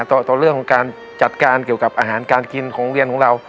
ต่อเรื่องของการจัดการเกี่ยวกับอาหารการกินของเรียนของเรา